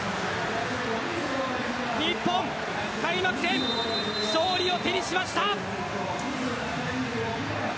日本、開幕戦勝利を手にしました。